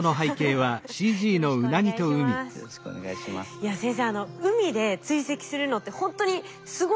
いや先生